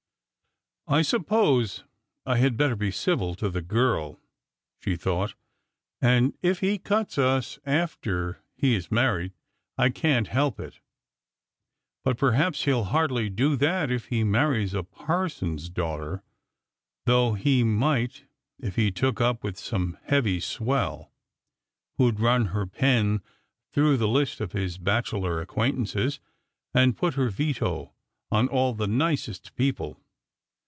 " I suppose I had better be civil to the girl," she thought ;" and if he cuts us after he is married, I can't help it. But perhaps he'll hardly do that if he marries a parson's daughter, though he might if he took up with some heavy swell, who'd run her pen through the list of his bachelor acquaintances, and put her veto on all the nicest peoj^le."